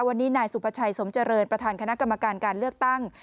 วันนี้นายสุภาชัยสมเจริญประธานคณะกรรมการการเลือกตั้ง